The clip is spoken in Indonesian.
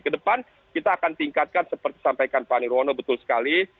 kedepan kita akan tingkatkan seperti sampaikan pak nirwono betul sekali